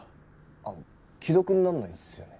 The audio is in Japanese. あの既読にならないんですよね。